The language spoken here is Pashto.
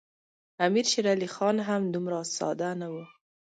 امیر شېر علي خان هم دومره ساده نه وو.